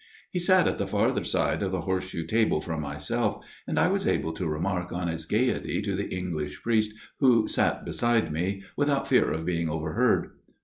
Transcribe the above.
He sat at the farther side of the horse shoe table from myself, and I was able to remark on his gaiety to the English priest who sat beside me, without fear of being overheard.